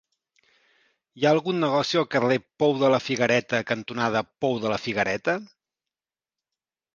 Hi ha algun negoci al carrer Pou de la Figuereta cantonada Pou de la Figuereta?